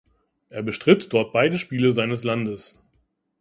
Er bestritt dort beide Spiele seines Landes.